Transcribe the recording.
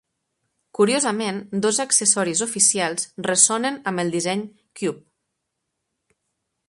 Curiosament, dos accessoris oficials ressonen amb el disseny "Cube".